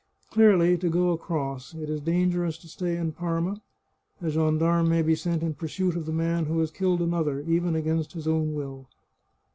" Clearly, to go across. It is dangerous to stay in Parma. A gendarme may be sent in pursuit of the man who has killed another, even against his own will."